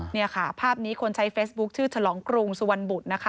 นี่ค่ะภาพนี้คนใช้เฟซบุ๊คชื่อฉลองกรุงสุวรรณบุตรนะคะ